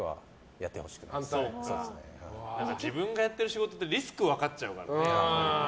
やっぱり自分がやってる仕事ってリスク分かっちゃうからね。